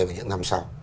nhưng là những năm sau